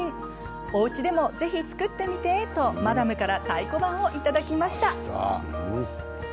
おうちでもぜひ作ってみてとマダムから太鼓判をいただきました。